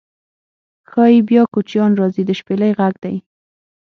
شایي بیا کوچیان راځي د شپیلۍ غږدی